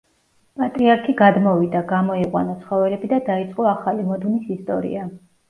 პატრიარქი გადმოვიდა, გამოიყვანა ცხოველები და დაიწყო ახალი მოდგმის ისტორია.